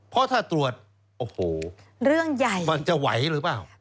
เพราะถ้าตรวจโอ้โหมันจะไหวหรือเปล่า